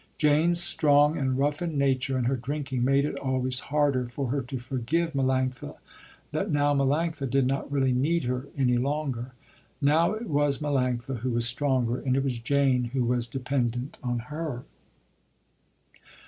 Jane's strong and roughened nature and her drinking made it always harder for her to forgive Melanctha, that now Melanctha did not really need her any longer. Now it was Melanctha who was stronger and it was Jane who was dependent on her.